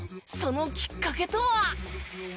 そのきっかけとは？